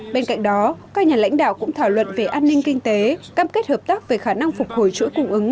bên cạnh đó các nhà lãnh đạo cũng thảo luận về an ninh kinh tế cam kết hợp tác về khả năng phục hồi chuỗi cung ứng